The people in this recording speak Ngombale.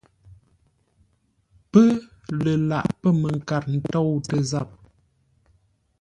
Pə́ lə laghʼ pə̂ mənkar ntôutə zap.